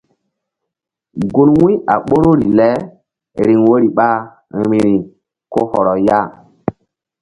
Gun wu̧y a ɓoruri le riŋ woyri ɓa vbi̧ri ko hɔrɔ ya.